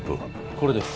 これです